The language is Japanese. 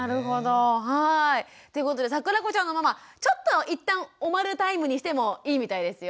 ということでさくらこちゃんのママちょっと一旦おまるタイムにしてもいいみたいですよ。